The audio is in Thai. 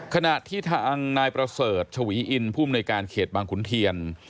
ขณะที่ทางนายประเสริฐชวีอินผู้มนุยการเขตบางขุนเทียน